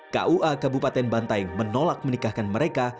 kua kabupaten bantaing menolak menikahkan mereka